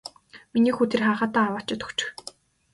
Миний хүү тэр агаадаа аваачаад өгчих.